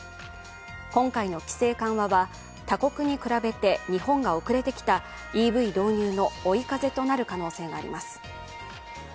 今回の規制緩和は他国に比べて日本が遅れてきたＥＶ導入の追い風となる可能性があります。